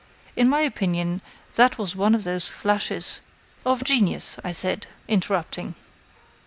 In my opinion, that was one of those flashes " "Of genius," I said, interrupting.